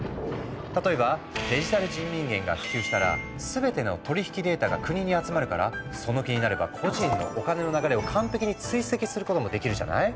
例えばデジタル人民元が普及したら全ての取り引きデータが国に集まるからその気になれば個人のお金の流れを完璧に追跡することもできるじゃない？